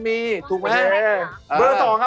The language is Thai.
เบอร์๕